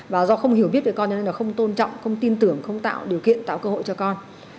và do không hiểu biết về con nên là không tôn trọng không tin tưởng không tạo điều kiện tạo cơ hội cho con